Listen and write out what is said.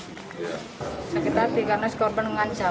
sakit hati karena skorban mengancam